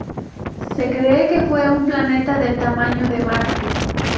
Se cree que fue un planeta del tamaño de Marte.